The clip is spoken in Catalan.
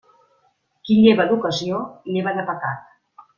Qui lleva d'ocasió, lleva de pecat.